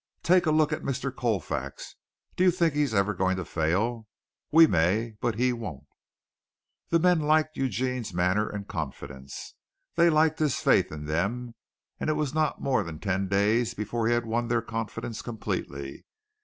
Take a look at Mr. Colfax. Do you think he is ever going to fail? We may, but he won't." The men liked Eugene's manner and confidence. They liked his faith in them, and it was not more than ten days before he had won their confidence completely.